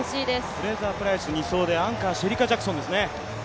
フレイザープライス２走でアンカーはシェリカ・ジャクソンですね。